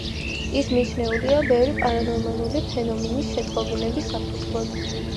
ის მიჩნეულია ბევრი პარანორმალური ფენომენის შეტყობინებების საფუძვლად.